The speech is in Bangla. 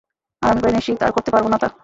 আর আমি প্রায় নিশ্চিত আর করতে পারব না তা।